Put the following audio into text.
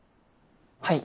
はい。